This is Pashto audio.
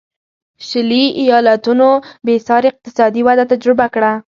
شلي ایالتونو بېسارې اقتصادي وده تجربه کړه.